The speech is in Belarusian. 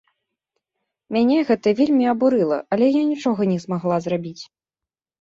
Мяне гэта вельмі абурыла, але я нічога не змагла зрабіць.